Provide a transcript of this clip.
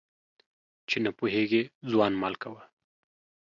چي نه پوهېږي ځوان مال کوه.